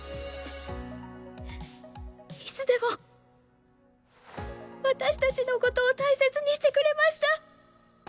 いつでも私たちのことを大切にしてくれました！